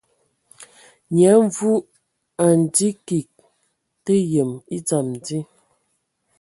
Nyia Mvu a ndzi kig tǝdǝ yǝm e dzam dí.